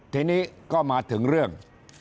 ทีนี้ก็มาถึงเรื่อง